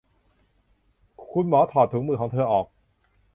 คุณหมอถอดถุงมือของเธอออก